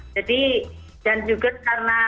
jadi dan juga karena